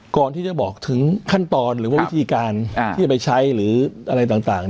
ก่อนที่จะบอกถึงขั้นตอนหรือว่าวิธีการที่จะไปใช้หรืออะไรต่าง